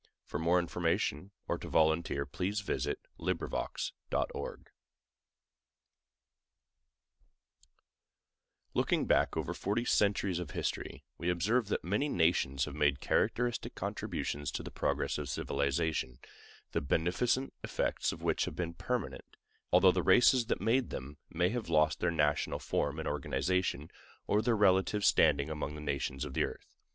1914. Charles William Eliot (1834– ) XX Five American Contributions to Civilization LOOKING back over forty centuries of history, we observe that many nations have made characteristic contributions to the progress of civilization, the beneficent effects of which have been permanent, although the races that made them may have lost their national form and organization, or their relative standing among the nations of the earth.